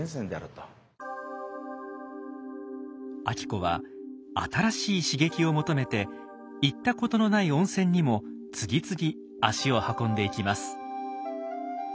晶子は新しい刺激を求めて行ったことのない温泉にも次々足を運んでいきます。